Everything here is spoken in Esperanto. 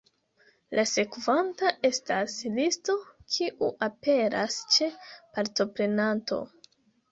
La sekvanta estas listo, kiu aperas ĉe partoprenanto.